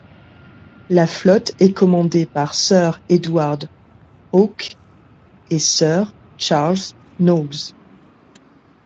La flotte est commandée par Sir Edward Hawke et Sir Charles Knowles.